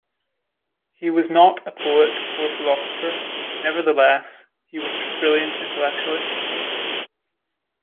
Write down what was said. He was not a poet or philosopher, nevertheless he was brilliant intellectually.